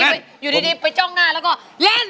เพิ่งว่าไปจ้องหน้าแล้วเล่น